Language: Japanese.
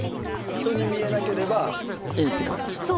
人に見えなければいいって感じですか？